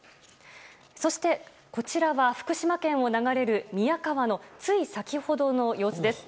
そして、こちらは福島県を流れる宮川のつい先ほどの様子です。